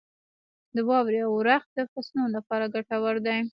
• د واورې اورښت د فصلونو لپاره ګټور دی.